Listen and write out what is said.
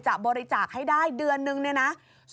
บริจาคให้ได้เดือนนึงเนี่ยนะ